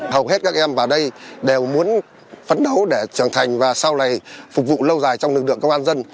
hầu hết các em vào đây đều muốn phấn đấu để trưởng thành và sau này phục vụ lâu dài trong lực lượng công an dân